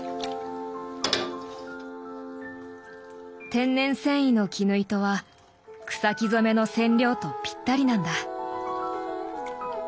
天然繊維の絹糸は草木染めの染料とぴったりなんだ。